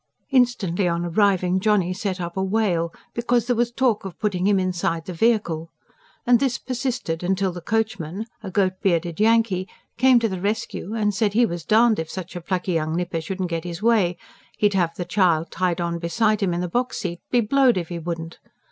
Instantly on arriving Johnny set up a wail, because there was talk of putting him inside the vehicle; and this persisted until the coachman, a goat bearded Yankee, came to the rescue and said he was darned if such a plucky young nipper shouldn't get his way: he'd have the child tied on beside him on the box seat be blowed if he wouldn't!